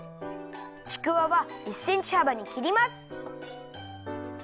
ちくわは１センチはばにきります。